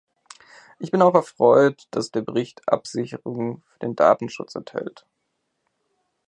Ich bin auch erfreut, dass der Bericht Absicherungen für den Datenschutz enthält.